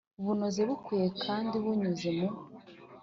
bunoze bukwiye kandi bunyuze mu